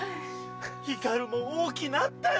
ヒカルも大きなったよ。